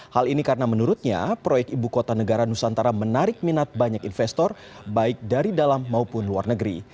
hal ini karena menurutnya proyek ibu kota negara nusantara menarik minat banyak investor baik dari dalam maupun luar negeri